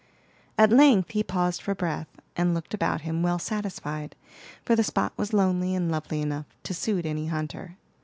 At length he paused for breath, and looked about him well satisfied, for the spot was lonely and lovely enough to suit any hunter.